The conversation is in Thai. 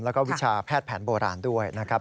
แล้วก็วิชาแพทย์แผนโบราณด้วยนะครับ